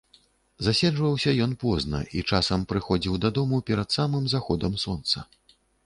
Заседжваўся ён позна і часам прыходзіў дадому перад самым заходам сонца.